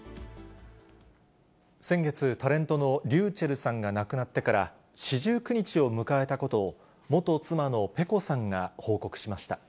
先月、タレントのｒｙｕｃｈｅｌｌさんが亡くなってから四十九日を迎えたことを、元妻のｐｅｃｏさんが報告しました。